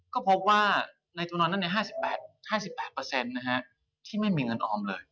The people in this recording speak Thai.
ก็พบว่าในตัวนอนนั้น๕๘ที่ไม่มีเงินออมเลย